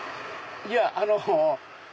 いやあの。